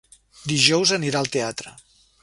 Dijous anirà al teatre.